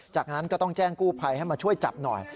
จากนั้นก็ต้องแจ้งกู้ภัยให้มาช่วยจับหน่อย